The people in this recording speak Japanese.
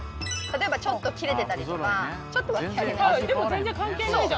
例えばちょっと切れてたりとかちょっと訳ありなの。